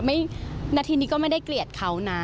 นาทีนี้ก็ไม่ได้เกลียดเขานะ